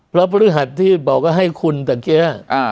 เพราะพระพฤหัสที่บอกว่าให้คุณตะเกี๊ย